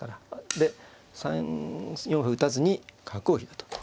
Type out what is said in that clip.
で３四歩打たずに角を引くと。